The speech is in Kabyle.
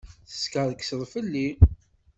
Teskerkseḍ fell-i.